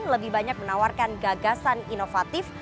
lebih banyak menawarkan gagasan inovatif